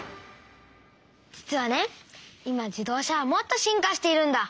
実はねいま自動車はもっと進化しているんだ！